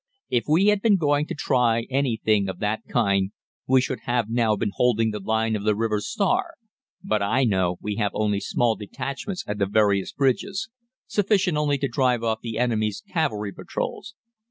If we had been going to try anything of that kind, we should have now been holding the line of the river Stour; but I know we have only small detachments at the various bridges, sufficient only to drive off the enemy's cavalry patrols.